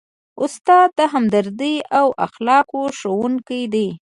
استاد د همدردۍ او اخلاقو ښوونکی دی.